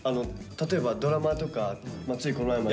例えばドラマとかついこの前まで。